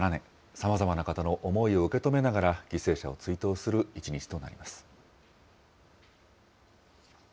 さまざまな方の思いを受け止めながら、犠牲者を追悼する一日となります。